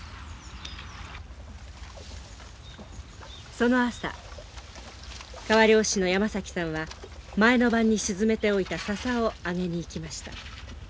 その朝川漁師の山崎さんは前の晩に沈めておいた笹を揚げにいきました。